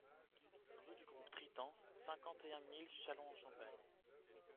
Rue du Groupe Tritant, cinquante et un mille Châlons-en-Champagne